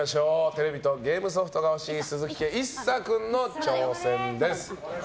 テレビとゲームソフトが欲しい鈴木家、一颯君の挑戦です。